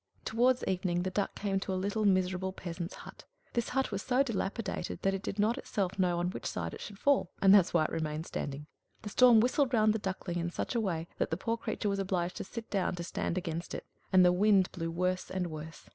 Towards evening the Duck came to a little miserable peasant's hut. This hut was so dilapidated that it did not itself know on which side it should fall; and that's why it remained standing. The storm whistled round the Duckling in such a way that the poor creature was obliged to sit down, to stand against it; and the wind blew worse and worse.